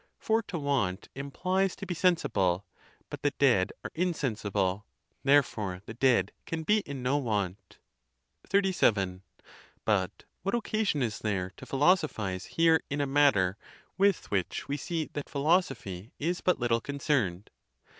For to want implies to be sensible; but the dead are insensible: therefore, the dead can be in no want. XXXVII. But what occasion is there to philosophize ON THE CONTEMPT OF DEATH. 49 here in a matter with which we see that philosophy is but little concerned?